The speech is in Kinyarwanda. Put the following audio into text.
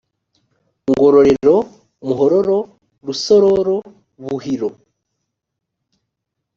ngororero muhororo rusororo buhiro